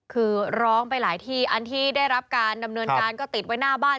คือร้องไปหลายที่อันที่ได้รับการดำเนินการก็ติดไว้หน้าบ้าน